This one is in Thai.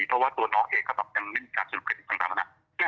เพราะว่าตัวนอกเอกการเร่งจากสรุปกรณิตต่างนะ